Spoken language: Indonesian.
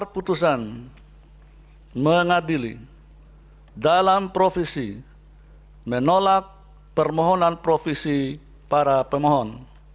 putusan mengadili dalam provisi menolak permohonan provisi para pemohon